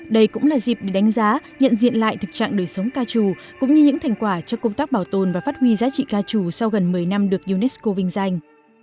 đây cũng là dịp để đánh giá nhận diện lại thực trạng đời sống ca trù cũng như những thành quả cho công tác bảo tồn và phát huy giá trị ca trù sau gần một mươi năm được unesco vinh danh